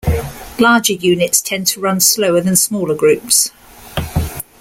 Larger units tend to run slower than smaller groups.